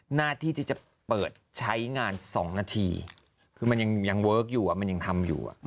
หน้าที่ที่จะเปิดใช้งาน๒นาทีคือมันยังเวิร์คอยู่มันยังทำอยู่